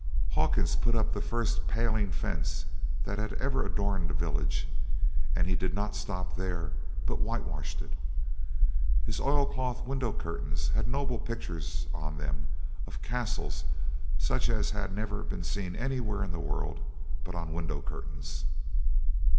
Hawkins put up the first "paling" fence that had ever adorned the village; and he did not stop there, but whitewashed it. His oil cloth window curtains had noble pictures on them of castles such as had never been seen anywhere in the world but on window curtains.